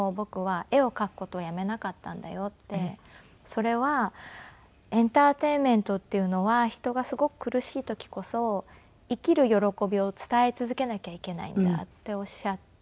「それはエンターテインメントっていうのは人がすごく苦しい時こそ生きる喜びを伝え続けなきゃいけないんだ」っておっしゃって。